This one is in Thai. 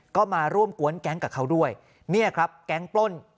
ก็มาร่วมกวนแก๊งกับเขาด้วยเนี่ยครับแก๊งปล้น